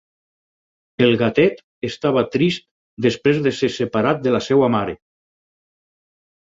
El gatet estava trist després de ser separat de la seva mare.